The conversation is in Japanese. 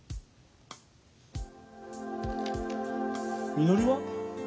みのりは？